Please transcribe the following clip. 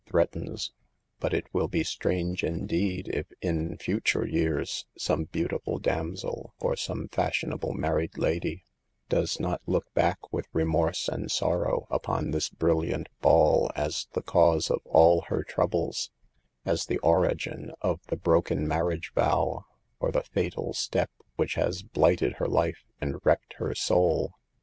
threatens ; but it will be strange indeed if, in future years, some beautiful damsel or some fashionable married lady, does not look back with remorse and sorrow upon this brilliant ball as the cause of all her troubles ; as the origin of the broken marriage vow, or the fatal step which has blighted her life and wrecked her soul.